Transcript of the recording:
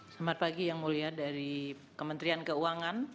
selamat pagi yang mulia dari kementerian keuangan